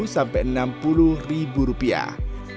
lima puluh lima sampai enam puluh rupiah